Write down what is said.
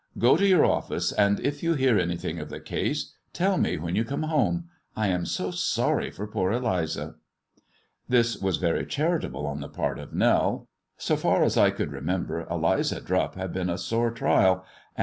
Go to your office^ and you hear anything of the case, tell me when you home. I am so sorry for poor Eliza." This was very charitable on the part of Nell. So tar I could remember Eli^a Drupp had been a sore trial, and .